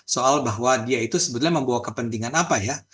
soal bahwa dia itu sebetulnya membawa kepentingan apa ya